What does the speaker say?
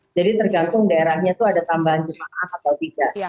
jadi tergantung daerahnya itu ada tambahan jemaah atau tidak